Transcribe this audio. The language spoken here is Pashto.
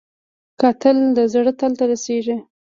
کتل د زړه تل ته رسېږي